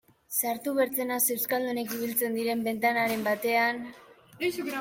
Sartu bertzenaz euskaldunak ibiltzen diren bentaren batean...